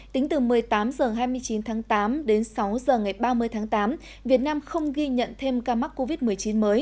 tính từ một mươi tám h hai mươi chín tháng tám đến sáu h ngày ba mươi tháng tám việt nam không ghi nhận thêm ca mắc covid một mươi chín mới